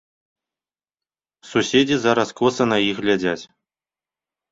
Суседзі зараз коса на іх глядзяць.